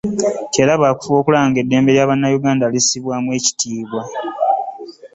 Nti era ba kufuba okulaba ng'eddembe lya Bannayuganda lissibwamu ekitiibwa.